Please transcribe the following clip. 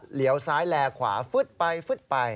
เหลียวซ้ายแลขวาฟึดไปฟึดไป